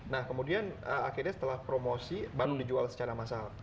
nah kemudian akhirnya setelah promosi baru dijual secara massal